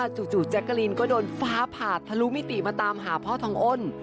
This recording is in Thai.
จู่แจ๊กกะลีนก็โดนฟ้าผ่าทะลุมิติมาตามหาพ่อทองอ้น